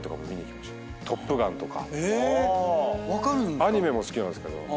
アニメも好きなんですけど。